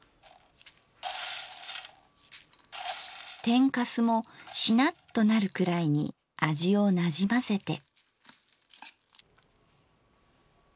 天かすもシナッとなるくらいに味をなじませて。